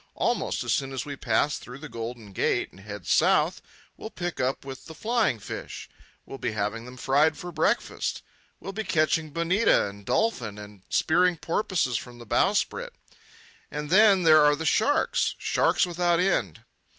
Almost as soon as we pass through the Golden Gate and head south we'll pick up with the flying fish. We'll be having them fried for breakfast. We'll be catching bonita and dolphin, and spearing porpoises from the bowsprit. And then there are the sharks—sharks without end."